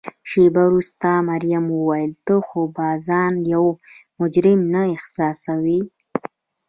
شیبه وروسته مريم وویل: ته خو به ځان یو مجرم نه احساسوې؟